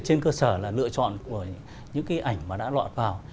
trên cơ sở là lựa chọn của những cái ảnh mà đã lọt vào